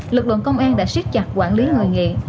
lực lượng công an đã siết chặt quản lý người nghiện